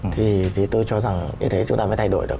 thì tôi cho rằng như thế chúng ta mới thay đổi được